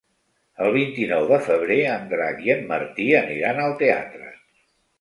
El vint-i-nou de febrer en Drac i en Martí aniran al teatre.